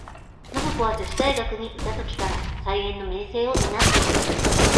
信子は女子大学にゐた時から、才媛の名声を担ってゐた。